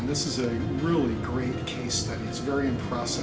dan ini adalah penelitian kes yang sangat bagus sangat terkesan